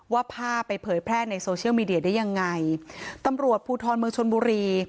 ว่าภาพไปเผยแพร่ในโซเชียลมีเดียได้ยังไงตำรวจภูทรเมืองชนบุรี